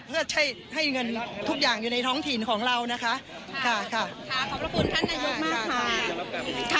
เพื่อให้เงินทุกอย่างอยู่ในท้องถิ่นของเรานะคะค่ะขอบพระคุณท่านนายกมากค่ะ